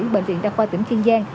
bệnh viện đa khoa tỉnh kiên giang